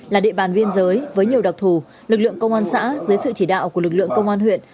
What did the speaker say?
là địa bàn biên giới với nhiều đặc thù lực lượng công an xã dưới sự chỉ đạo của lực lượng công an huyện